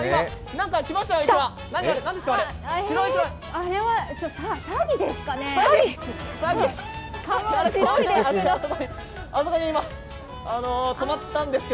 何か来ましたよ！